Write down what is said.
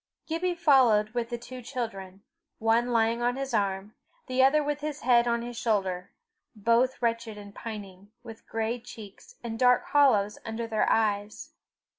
Gibbie followed with the two children, one lying on his arm, the other with his head on his shoulder, both wretched and pining, with gray cheeks, and dark hollows under their eyes.